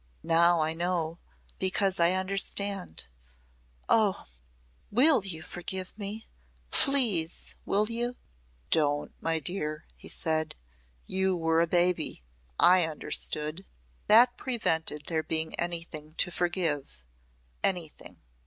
"Now I know, because I understand. Oh! will you forgive me? Please will you?" "Don't, my dear," he said. "You were a baby. I understood. That prevented there being anything to forgive anything."